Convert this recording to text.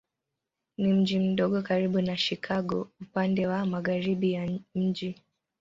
Ni mji mdogo karibu na Chicago upande wa magharibi ya mji.